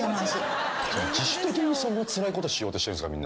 自主的にそんなつらいことしようとしてんですか？